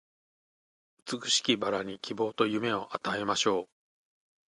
美しき薔薇に希望と夢を与えましょう